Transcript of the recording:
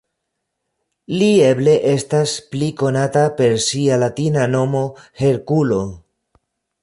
Li eble estas pli konata per sia latina nomo Herkulo.